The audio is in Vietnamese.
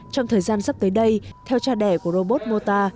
trong thời gian sắp tới đây theo cha đẻ của robot mota